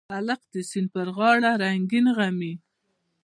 هلک د سیند پر غاړه رنګین غمي